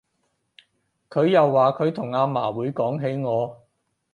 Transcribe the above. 佢又話佢同阿嫲會講起我